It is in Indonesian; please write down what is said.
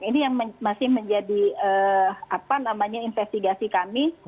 ini yang masih menjadi investigasi kami